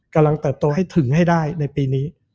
เติบโตให้ถึงให้ได้ในปีนี้